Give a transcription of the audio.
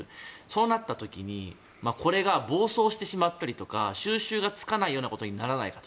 そうなった時にこれが暴走してしまったりとか収拾がつかないようなことにならないか。